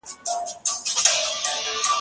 ډېری ناروغان هڅه کوي نورو ته غږونه وښيي.